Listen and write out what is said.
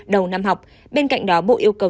đầu năm học bên cạnh đó bộ yêu cầu